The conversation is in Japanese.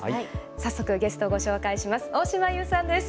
早速ゲストをご紹介します。